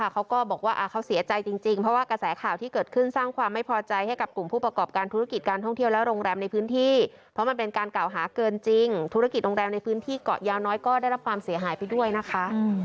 เขาก็บอกว่าเขาเสียใจจริงเพราะว่ากระแสข่าวที่เกิดขึ้นสร้างความไม่พอใจให้กับกลุ่มผู้ประกอบการธุรกิจการท่องเที่ยวและโรงแรมในพื้นที่เพราะมันเป็นการกล่าวหาเกินจริงธุรกิจโรงแรมในพื้นที่เกาะยาวน้อยก็ได้รับความเสียหายไปด้วยนะคะ